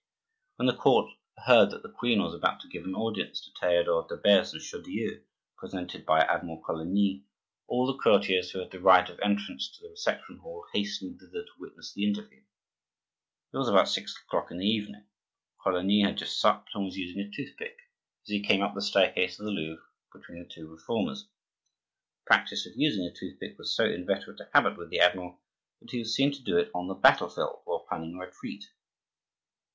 When the court heard that the queen was about to give an audience to Theodore de Beze and Chaudieu, presented by Admiral Coligny, all the courtiers who had the right of entrance to the reception hall, hastened thither to witness the interview. It was about six o'clock in the evening; Coligny had just supped, and was using a toothpick as he came up the staircase of the Louvre between the two Reformers. The practice of using a toothpick was so inveterate a habit with the admiral that he was seen to do it on the battle field while planning a retreat.